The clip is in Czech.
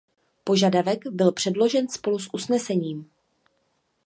Požadavek byl předložen spolu s usnesením.